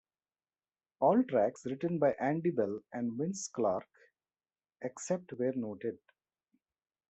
All tracks written by Andy Bell and Vince Clarke, except where noted.